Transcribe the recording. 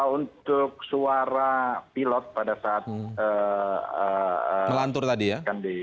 untuk suara pilot pada saat lantur tadi ya